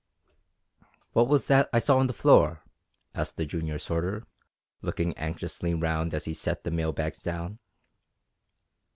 "What was that I saw on the floor?" asked the junior sorter, looking anxiously round as he set the mail bags down.